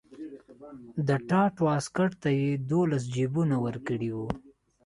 د ټاټ واسکټ ته یې دولس جیبونه ورکړي وو.